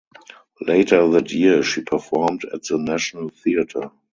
Later that year she performed at the National Theatre.